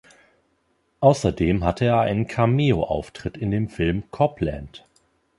Außerdem hatte er einen Cameo-Auftritt in dem Film "Cop Land".